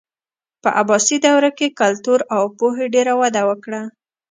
په عباسي دوره کې کلتور او پوهې ډېره وده وکړه.